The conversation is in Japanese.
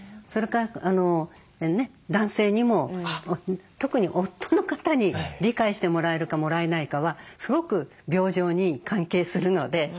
それから男性にも特に夫の方に理解してもらえるかもらえないかはすごく病状に関係するので。